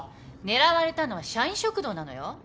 狙われたのは社員食堂なのよ？